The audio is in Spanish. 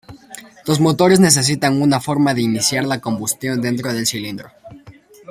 Los motores necesitan una forma de iniciar la combustión dentro del cilindro.